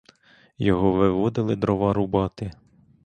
Його виводили дрова рубати.